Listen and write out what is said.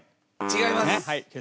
違います。